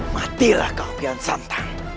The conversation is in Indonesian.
matilah kau kian santang